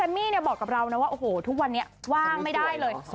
มี่บอกกับเรานะว่าโอ้โหทุกวันนี้ว่างไม่ได้เลย